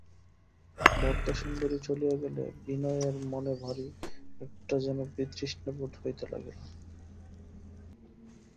বরদাসুন্দরী চলিয়া গেলে বিনয়ের মনে ভারি একটা যেন বিতৃষ্ণা বোধ হইতে লাগিল।